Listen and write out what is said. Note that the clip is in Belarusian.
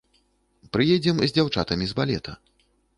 Прыедзем з дзяўчатамі з балета.